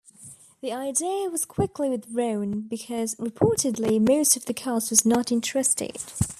This idea was quickly withdrawn, because reportedly most of the cast was not interested.